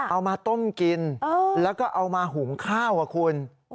เอามาต้มกินแล้วก็เอามาหุงข้าวอ่ะคุณ